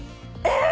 え！